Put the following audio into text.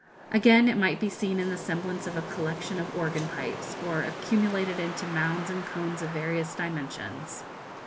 Again it might be seen in the semblance of a collection of organ pipes, or accumulated into mounds and cones of various dimensions.